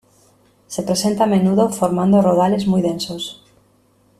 Se presenta a menudo formando rodales muy densos.